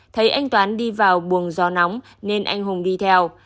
thấy anh toán đi vào buồng gió nóng nên anh hùng đi theo